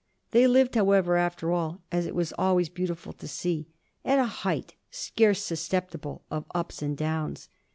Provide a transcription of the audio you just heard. They lived, however, after all as it was always beautiful to see at a height scarce susceptible of ups and downs.